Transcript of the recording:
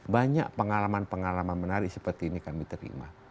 banyak pengalaman pengalaman menarik seperti ini kami terima